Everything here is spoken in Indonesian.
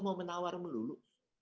mau menawar melulu